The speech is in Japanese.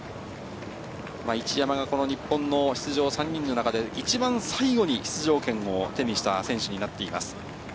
一山がこの日本の出場選手３人の中で一番最後に出場権を手にした選手になっています。